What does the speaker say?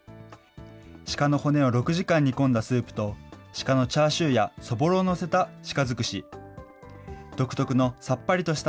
鹿の骨を６時間煮込んだスープと、鹿のチャーシューやそぼろを載せた鹿尽くし。